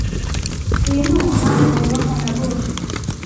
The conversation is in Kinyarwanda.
Uyu ni umuhanga wubahwa na bose.